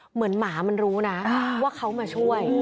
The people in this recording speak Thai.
เหมือนหมามันรู้นะว่าเขามาช่วย